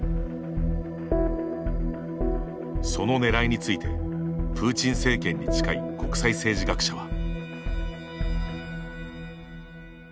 そのねらいについて、プーチン政権に近い国際政治学者は。